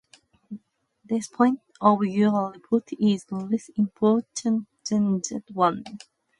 This point of your report is less important than that one.